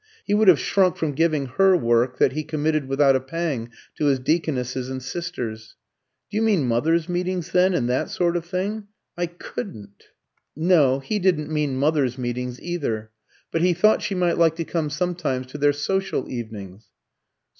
He would have shrunk from giving her work that he committed without a pang to his deaconesses and sisters. "Do you mean mothers' meetings then, and that sort of thing? I couldn't." No, he didn't mean mothers' meetings either. But he thought she might like to come sometimes to their social evenings.